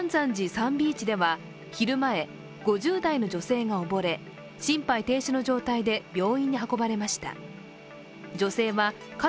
サンビーチでは昼前、５０代の女性が溺れ、心肺停止の状態で病院に運ばれました。